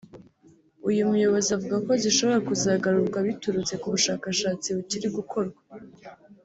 uyu muyobozi avuga ko zishobora kuzagarurwa biturutse ku bushakashatsi bukiri gukorwa